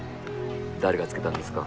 誰が付けたんですか？